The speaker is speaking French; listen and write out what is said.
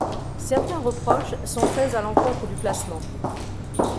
Certains reproches sont faits à l'encontre du classement.